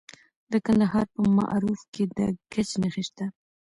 د کندهار په معروف کې د ګچ نښې شته.